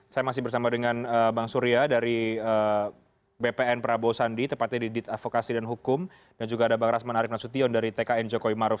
saya masih bersama dengan bang surya dari bpn prabowo sandi tepatnya di dit advokasi dan hukum dan juga ada bang rasman arief nasution dari tkn jokowi maruf